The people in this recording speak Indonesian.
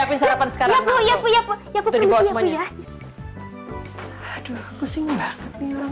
itu tuh rena ceritain kiki ya